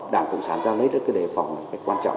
đảng cộng sản ta lấy ra cái đề phòng này cái quan trọng